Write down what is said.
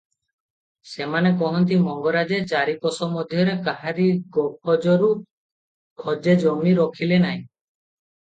ସେମାନେ କହନ୍ତି, ମଙ୍ଗରାଜେ ଚାରି କୋଶ ମଧ୍ୟରେ କାହାରି ଗୋଖୋଜରୁ ଖୋଜେ ଜମି ରଖିଲେ ନାହିଁ ।